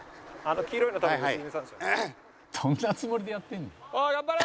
「どんなつもりでやってんねん」